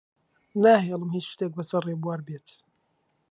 ناهێڵم هیچ شتێک بەسەر ڕێبوار بێت.